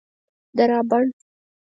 درابڼ